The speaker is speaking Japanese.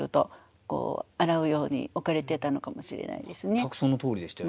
全くそのとおりでしたよ。